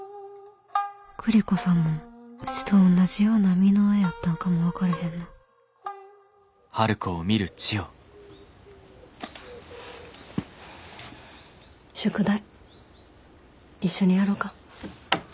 栗子さんもうちとおんなじような身の上やったんかも分かれへんな宿題一緒にやろか。